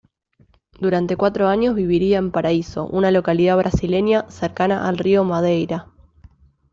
Durante cuatro años viviría en Paraiso, una localidad brasileña cercana al Río Madeira.